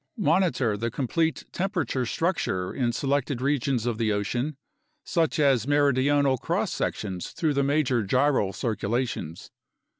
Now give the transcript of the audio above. Monitor the complete temperature structure in selected regions of the ocean, such as meridional cross sections through the major gyral circulations.